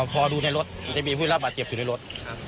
พอดูในรถจะมีผู้รับบาดเจ็บอยู่ในรถ